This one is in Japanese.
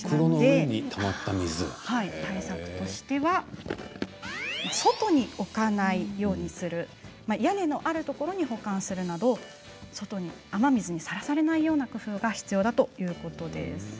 対策としては外に置かないようにする屋根のあるところに保管するなど雨水にさらされないような工夫が必要だということです。